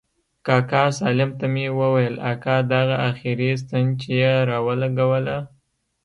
کاکا سالم ته مې وويل اكا دغه اخري ستن چې يې راولګوله.